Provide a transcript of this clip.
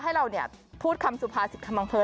ให้เราเนี่ยพูดคำสุภาษิทธิ์